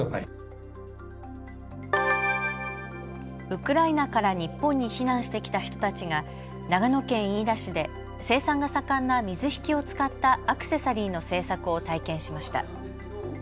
ウクライナから日本に避難してきた人たちが長野県飯田市で生産が盛んな水引を使ったアクセサリーの制作を体験しました。